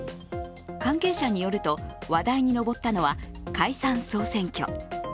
関係者によると、話題に上ったのは解散総選挙。